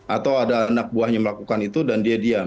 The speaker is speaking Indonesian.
atau ada anak buahnya melakukan itu dan dia diam